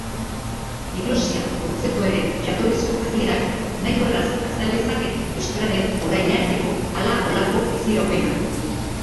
Diglosia kontzeptuaren jatorrizko adierak nahiko erraz azal lezake euskararen orain arteko hala-holako biziraupena.